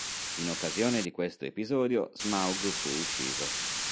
In occasione di questo episodio Smaug fu ucciso.